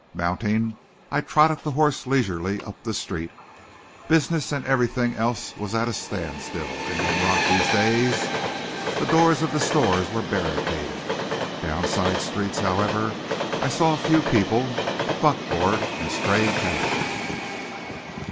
Mounting, I trotted the horse leisurely up the street. Business and everything else was at a standstill in Linrock these days. The doors of the stores were barricaded. Down side streets, however, I saw a few people, a buckboard, and stray cattle.